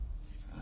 あ。